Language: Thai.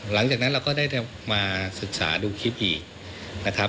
หลังจากนั้นเราก็ได้มาศึกษาดูคลิปอีกนะครับ